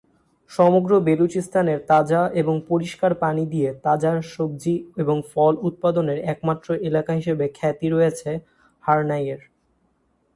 সমগ্র বেলুচিস্তানের তাজা এবং পরিষ্কার পানি দিয়ে তাজা সবজি এবং ফল উৎপাদনের একমাত্র এলাকা হিসেবে খ্যাতি রয়েছে হার্নাইয়ের।